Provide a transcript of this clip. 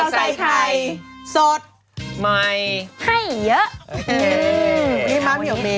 สวัสดีค่า